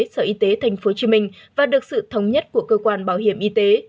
sở y tế tp hcm và được sự thống nhất của cơ quan bảo hiểm y tế